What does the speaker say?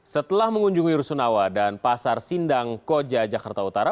setelah mengunjungi rusunawa dan pasar sindang koja jakarta utara